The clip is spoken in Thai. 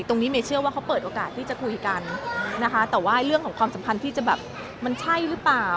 เมย์เชื่อว่าเขาเปิดโอกาสที่จะคุยกันนะคะแต่ว่าเรื่องของความสัมพันธ์ที่จะแบบมันใช่หรือเปล่า